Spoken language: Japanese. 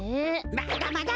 まだまだ！